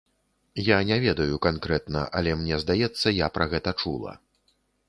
Я не ведаю канкрэтна, але мне здаецца, я пра гэта чула.